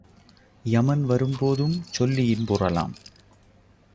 யமன் வரும்போதும் சொல்லி இன்புறலாம்.